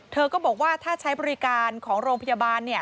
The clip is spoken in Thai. เธอก็บอกว่าถ้าใช้บริการของโรงพยาบาลเนี่ย